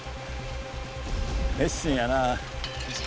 熱心やな。